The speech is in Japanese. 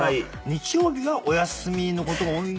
日曜日はお休みのことが多い？